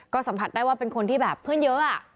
สัมผัสได้ว่าเป็นคนที่แบบเพื่อนเยอะ